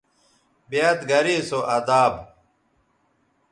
بیاد گرے سو اداب